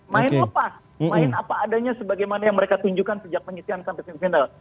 main lepas main apa adanya sebagaimana yang mereka tunjukkan sejak penyitian sampai semifinal